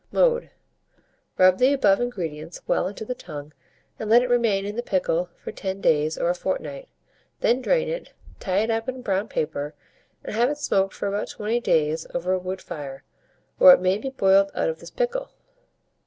Mode. Rub the above ingredients well into the tongue, and let it remain in the pickle for 10 days or a fortnight; then drain it, tie it up in brown paper, and have it smoked for about 20 days over a wood fire; or it may be boiled out of this pickle.